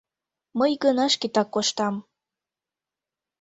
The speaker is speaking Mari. Мый гына шкетак коштам».